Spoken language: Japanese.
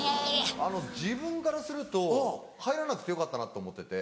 自分からすると入らなくてよかったなと思ってて。